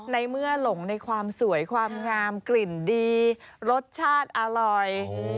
ในเมื่อหลงในความสวยความงามกลิ่นดีรสชาติอร่อย